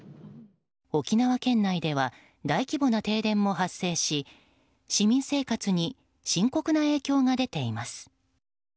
沖縄県内では大規模な停電も発生し市民生活に深刻な影響が出ています。